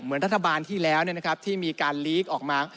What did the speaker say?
เหมือนรัฐบาลที่แล้วเนี่ยนะครับที่มีการลีกออกมา